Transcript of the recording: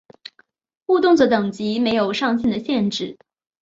误动作等级没有上限的限制。